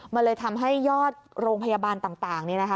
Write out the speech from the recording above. มันเลยทำให้ยอดโรงพยาบาลต่างนี่นะคะ